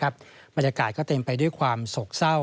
บรรยากาศก็เต็มไปด้วยความโศกเศร้า